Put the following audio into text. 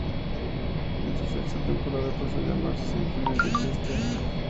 En su sexta temporada pasó a llamarse simplemente "Chester".